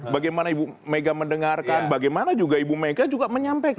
bagaimana ibu mega mendengarkan bagaimana juga ibu mega juga menyampaikan